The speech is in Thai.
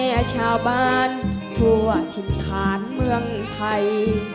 ชาวบ้านทั่วถิ่นฐานเมืองไทย